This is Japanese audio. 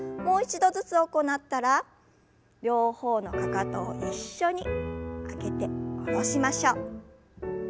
もう一度ずつ行ったら両方のかかとを一緒に上げて下ろしましょう。